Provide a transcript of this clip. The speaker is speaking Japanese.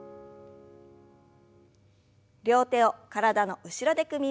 両手を体の後ろで組みましょう。